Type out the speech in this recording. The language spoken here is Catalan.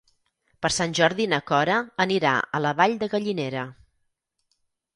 Per Sant Jordi na Cora anirà a la Vall de Gallinera.